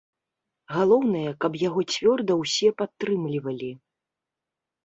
Галоўнае, каб яго цвёрда ўсе падтрымлівалі.